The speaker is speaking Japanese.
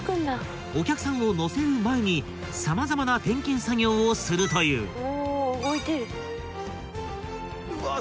［お客さんを乗せる前に様々な点検作業をするという］